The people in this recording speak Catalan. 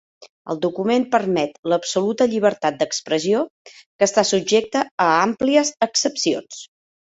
El document permet l'absoluta llibertat d'expressió que està subjecta a àmplies excepcions.